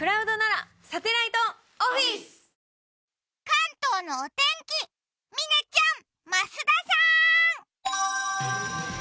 関東のお天気嶺ちゃん、増田さん。